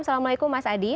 assalamualaikum mas adi